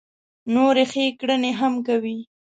نورې ښې کړنې هم کوي.